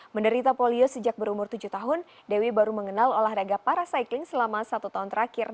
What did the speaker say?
menderita polio sejak berumur tujuh tahun dewi baru mengenal olahraga para cycling selama satu tahun terakhir